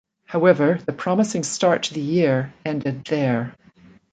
However, the promising start to the year ended there.